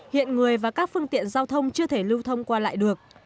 hiện người và các phương tiện giao thông chưa thể lưu thông qua lại được